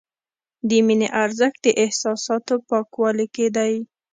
د مینې ارزښت د احساساتو پاکوالي کې دی.